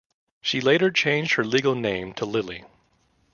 She later changed her legal name to Lily.